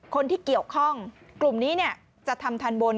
คนที่เกี่ยวข้องกลุ่มนี้จะทำทันบน